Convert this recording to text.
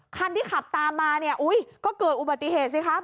คันที่ขับตามมาเนี่ยอุ้ยก็เกิดอุบัติเหตุสิคะ